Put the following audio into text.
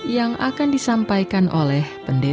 yang lain berkata cintanya